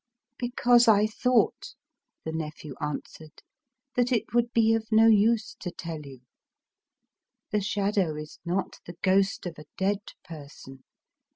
"Because I thought," the nephew answered, "that it would be of no use to tell you. The Shadow is not the ghost of a dead person.